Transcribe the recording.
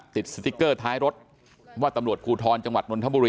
สติ๊กเกอร์ท้ายรถว่าตำรวจภูทรจังหวัดนนทบุรี